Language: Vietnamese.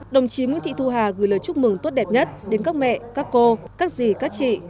đồng chí nguyễn thị thu hà gửi lời chúc mừng tốt đẹp nhất đến các mẹ các cô các dì các chị